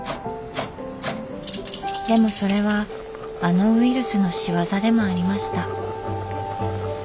でもそれはあのウイルスの仕業でもありました。